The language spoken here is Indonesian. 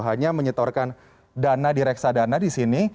hanya menyetorkan dana di reksadana di sini